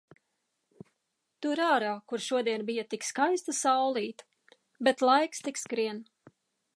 Tur ārā, kur šodien bija tik skaista saulīte. Bet laiks tik skrien.